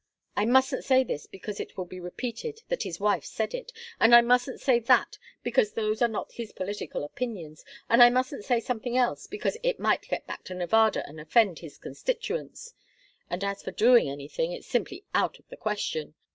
I mustn't say this, because it will be repeated that his wife said it; and I mustn't say that, because those are not his political opinions; and I mustn't say something else, because it might get back to Nevada and offend his constituents and as for doing anything, it's simply out of the question.